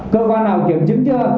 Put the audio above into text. cơ quan nào kiểm chứng chưa